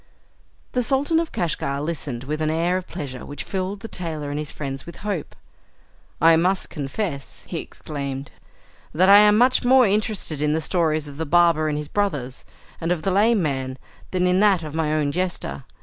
The Sultan of Kashgar listened with an air of pleasure which filled the tailor and his friends with hope. "I must confess," he exclaimed, "that I am much more interested in the stories of the barber and his brothers, and of the lame man, than in that of my own jester.